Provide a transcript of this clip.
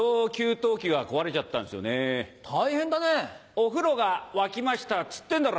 「お風呂が沸きましたっつってんだろ！